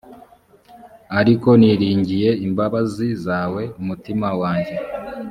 ariko niringiye imbabazi zawe umutima wanjye